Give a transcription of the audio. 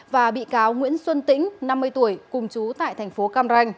và bị cáo nguyễn xuân tĩnh năm mươi tuổi cùng chú tại thành phố cam ranh